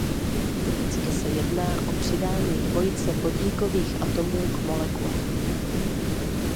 Typicky se jedná o přidání dvojice vodíkových atomů k molekule.